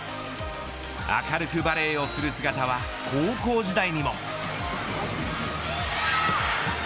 明るくバレーをする姿は高校時代にも。